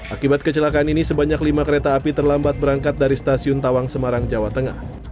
akibat kecelakaan ini sebanyak lima kereta api terlambat berangkat dari stasiun tawang semarang jawa tengah